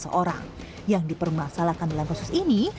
seorang yang dipermasalahkan dalam proses ini